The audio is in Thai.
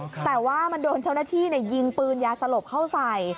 แต่ว่ามันโดนเจ้าหน้าที่ยิงปืนยาสลบเข้าใส่